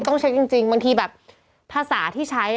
ต้องเช็คจริงบางทีแบบภาษาที่ใช้